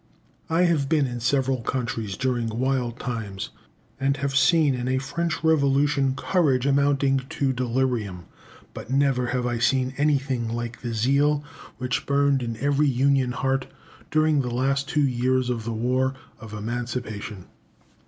I have been in several countries during wild times, and have seen in a French revolution courage amounting to delirium, but never have I seen anything like the zeal which burned in every Union heart during the last two years of the war of Emancipation.